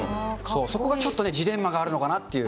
そこがちょっとね、ジレンマがあるのかなっていう。